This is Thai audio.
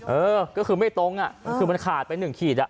เออก็คือไม่ตรงคือมันขาดเป็น๑ขีด